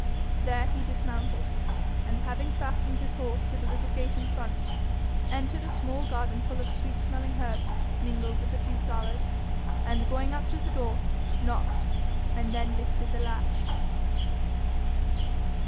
There he dismounted, and having fastened his horse to the little gate in front, entered a small garden full of sweet smelling herbs mingled with a few flowers, and going up to the door, knocked, and then lifted the latch.